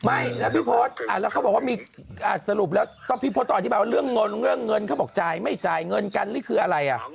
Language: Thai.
ไม่แล้วพี่โพสอ่ะแล้วเขาบอกว่ามีสรุปแล้วพี่โพสต่ออธิบายว่าเรื่องเงินเขาบอกจ่ายไม่จ่ายเงินกันนี่คืออะไรอ่ะ